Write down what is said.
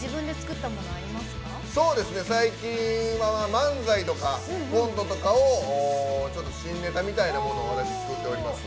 最近は漫才とかコントとかを新ネタみたいなものを私作っております。